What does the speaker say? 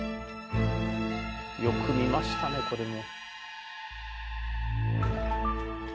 よく見ましたねこれも。